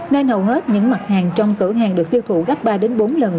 nơi hầu hết những mặt hàng trong cửa hàng được tiêu thụ gấp ba bốn lần